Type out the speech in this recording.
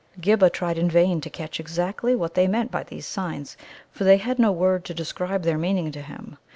Ghibba tried in vain to catch exactly what they meant by these signs, for they had no word to describe their meaning to him.